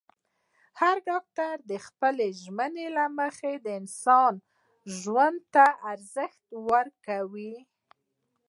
هر ډاکټر د خپلې ژمنې له مخې د انسان ژوند ته ارزښت ورکوي.